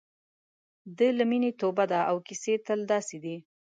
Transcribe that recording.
دا له مینې توبه ده او کیسې تل داسې دي.